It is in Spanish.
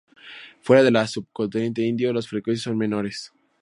Fuera del Subcontinente indio las frecuencias son menores.